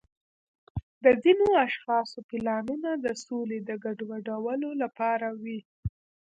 د ځینو اشخاصو پلانونه د سولې د ګډوډولو لپاره وي.